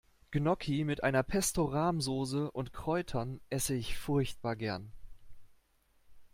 Gnocchi mit einer Pesto-Rahm-Soße und Kräutern esse ich furchtbar gern.